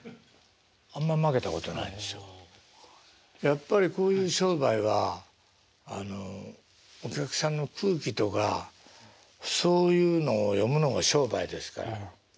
やっぱりこういう商売はあのお客さんの空気とかそういうのを読むのも商売ですから。